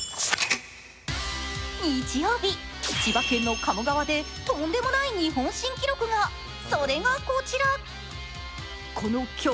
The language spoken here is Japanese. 日曜日、千葉県の鴨川でとんでもない日本新記録が。え？